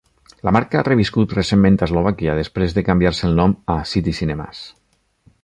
La marca ha reviscut recentment a Eslovàquia, després de canviar-se el nom a City Cinemas.